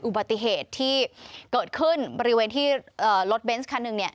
อุบัติเหตุที่เกิดขึ้นบริเวณที่รถเบนส์คันหนึ่งเนี่ย